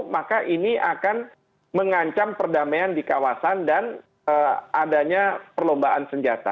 maka ini akan mengancam perdamaian di kawasan dan adanya perlombaan senjata